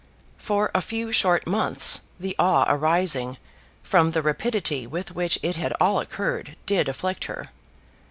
For a few short months the awe arising from the rapidity with which it had all occurred did afflict her.